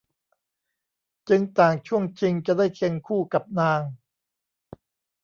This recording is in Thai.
จึงต่างช่วงชิงจะได้เคียงคู่กับนาง